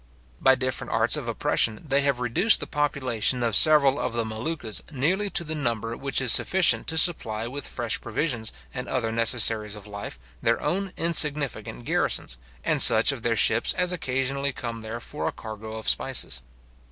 By different arts of oppression, they have reduced the population of several of the Moluccas nearly to the number which is sufficient to supply with fresh provisions, and other necessaries of life, their own insignificant garrisons, and such of their ships as occasionally come there for a cargo of spices.